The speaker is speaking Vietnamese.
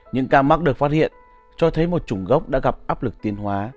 những ca mắc được phát hiện cho thấy một chủng gốc đã gặp áp lực tiến hóa